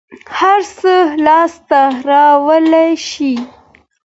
هر څه لاس ته راوړلى شې.